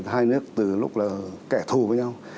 hai nước từ lúc là kẻ thù với nhau